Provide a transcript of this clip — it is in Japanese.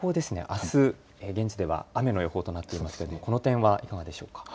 あす現地では雨の予報になっていますがこの点はいかがでしょうか。